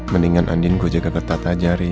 mendingan andin gue jaga kata kata aja hari ini